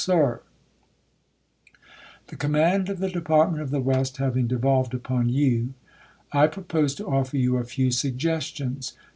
Sir: The command of the Department of the West having devolved upon you, I propose to offer you a few suggestions.